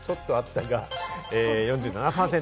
「ちょっとあった」が４７％。